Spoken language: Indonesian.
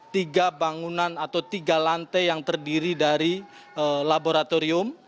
tiga bangunan atau tiga lantai yang terdiri dari laboratorium